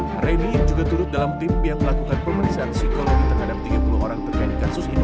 hari ini juga turut dalam tim yang melakukan pemeriksaan psikologi terhadap tiga puluh orang terkait kasus ini